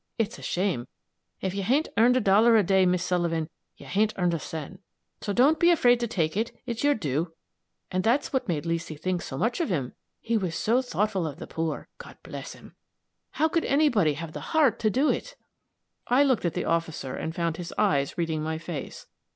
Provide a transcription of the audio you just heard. it's a shame! if you hain't earned a dollar a day, Miss Sullivan, you hain't earned a cent. So don't be afraid to take it it's your due.' And that's what made Leesy think so much of him he was so thoughtful of the poor God bless him! How could anybody have the heart to do it!" I looked at the officer and found his eyes reading my face.